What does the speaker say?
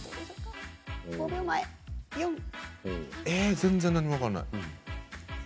全然何も分からない。